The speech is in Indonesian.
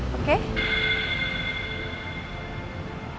bukan kamu ketemu dengan mbak endin